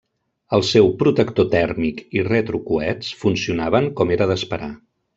El seu protector tèrmic i retrocoets funcionaven com era d'esperar.